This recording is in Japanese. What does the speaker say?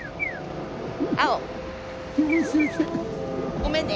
ごめんね。